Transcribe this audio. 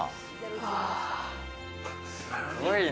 すごいな。